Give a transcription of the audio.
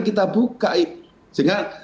kita buka sehingga